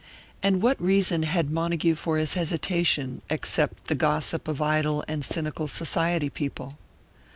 And what reason had Montague for his hesitation, except the gossip of idle and cynical Society people?